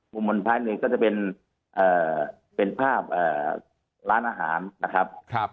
บนท้ายหนึ่งก็จะเป็นภาพร้านอาหารนะครับ